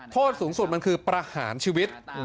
โทษสูงสุดมันคือประหารชีวิต